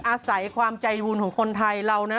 อาศัยความใจบุญของคนไทยเรานะ